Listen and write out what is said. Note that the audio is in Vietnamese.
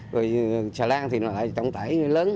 rồi xà lan thì nó lại trọng tải lớn